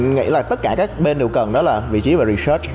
nghĩ là tất cả các bên đều cần đó là vị trí về resort